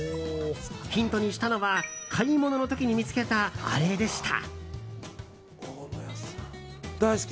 ヒントにしたのは買い物の時に見つけたアレでした。